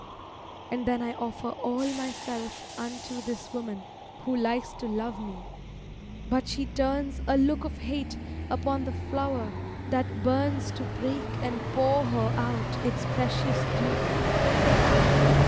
And then I offer all myself unto This woman who likes to love me: but she turns A look of hate upon the flower that burns To break and pour her out its precious dew.